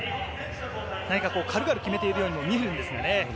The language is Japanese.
軽々決めているようにも見えるんですけどね。